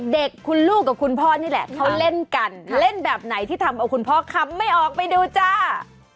เด็กคุณลูกกับคุณพ่อนี่แหละเขาเล่นกันเล่นแบบไหนที่ทำเอาคุณพ่อคำไม่ออกไปดูจ้า